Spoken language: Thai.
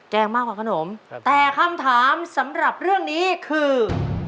แกงมากกว่าขนมแต่คำถามสำหรับเรื่องนี้คือ